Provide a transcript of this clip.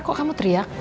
kok kamu teriak